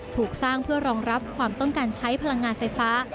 ถูกสร้างเพื่อรองรับความต้องการใช้พลังงานไฟฟ้า